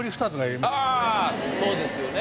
そうですよね。